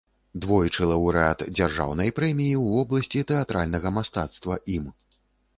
Двойчы лаўрэат дзяржаўнай прэміі ў вобласці тэатральнага мастацтва ім.